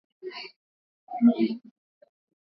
Baada ya uchaguzi Samia Suluhu Hassan aliweka historia nyingine